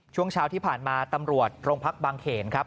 ช่วงเช้าที่ผ่านมาตำรวจโรงพักบางเขนครับ